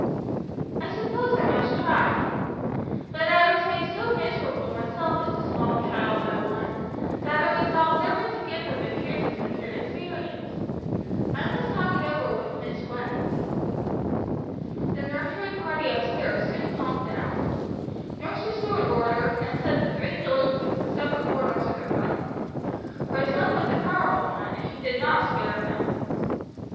"I suppose I must try. But I was made so miserable myself as a small child by one, that I resolved never to give them the chance of such an experience. I must talk it over with Miss Webb." The nursery party up stairs soon calmed down. Nurse restored order, and set the three delinquents in separate corners of the room. Her tongue was a powerful one, and she did not spare them.